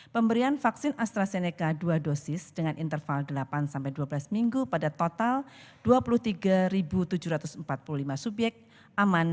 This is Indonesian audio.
pemberian vaksin astrazeneca dua dosis dengan interval delapan dua belas minggu pada total dua puluh tiga tujuh ratus empat puluh lima subyek aman